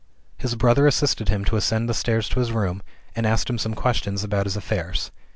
His brother assisted him to ascend the stairs to his room, and asked him some questions about his affairs.